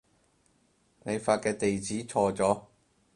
你發嘅地址錯咗